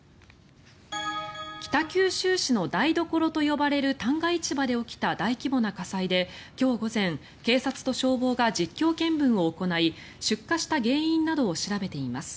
北九州市の台所と呼ばれる旦過市場で起きた大規模な火災で今日午前、警察と消防が実況見分を行い出火した原因などを調べています。